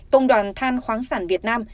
công đoàn than khoáng sản việt nam